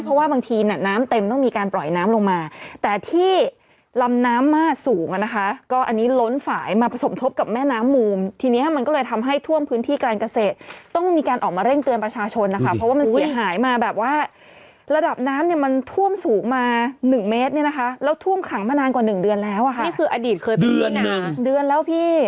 เพราะว่าบางทีน่ะน้ำเต็มต้องมีการปล่อยน้ำลงมาแต่ที่ลำน้ำมากสูงอ่ะนะคะก็อันนี้ล้นฝ่ายมาผสมทบกับแม่น้ำมูมทีเนี้ยมันก็เลยทำให้ท่วมพื้นที่การเกษตรต้องมีการออกมาเร่งเตือนประชาชนนะคะเพราะว่ามันเสียหายมาแบบว่าระดับน้ำเนี่ยมันท่วมสูงมาหนึ่งเมตรเนี่ยนะคะแล้วท่วมขังมานานกว่าหนึ่งเดือนแล้วอ่ะค่ะนี่คืออดีตเคยเป็นเดือนหนึ่งเดือนแล้วพี่